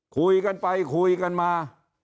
คุยกันไปคุยกันมา